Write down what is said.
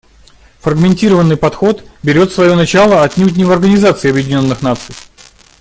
Фрагментированный подход берет свое начало отнюдь не в Организации Объединенных Наций.